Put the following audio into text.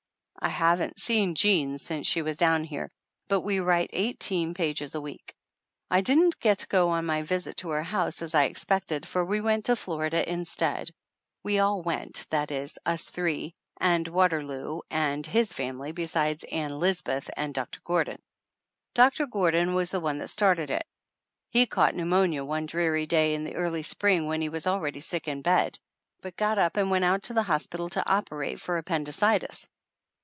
I haven't seen Jean since she was down here, but we write eighteen pages a week. I didn't get to go on my visit to her house as I expected, for we went to Florida instead. We all went, that is, us three, and Waterloo and his family besides Ann Lisbeth and Doctor Gordon. Doctor Gordon was the one that started it. He caught pneumonia one dreary day in the early spring when he was already sick in bed, but got up and went out to the hospital to oper ate for appendicitis.